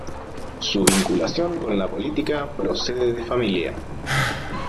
Su vinculación con la política procede de familia.